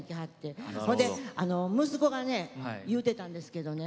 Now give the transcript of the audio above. そいで息子がね言うてたんですけどね。